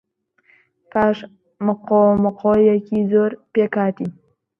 پاش مقۆمقۆیەکی زۆر، پێک هاتین.